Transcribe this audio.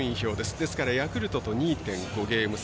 ですからヤクルトと２．５ゲーム差。